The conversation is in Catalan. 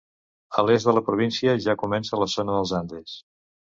A l'est de la província ja comença la zona dels Andes.